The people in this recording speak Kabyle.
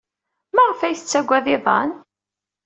Maɣef ay tettaggad iḍan?